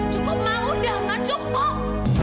cukup mau dah macu kok